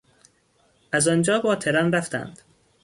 از آنجا با ترن رفتند.